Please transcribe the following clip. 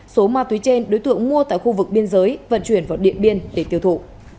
số ma túy trên đối tượng mua tại khu vực biên giới vận chuyển vào điện biên để tiêu thụ